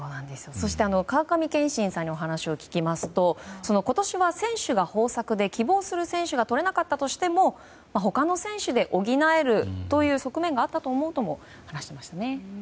そして川上憲伸さんにお話を聞きますと今年は選手が豊作で希望する選手がとれなくても他の選手で補えるという側面があったと思うとも話していましたね。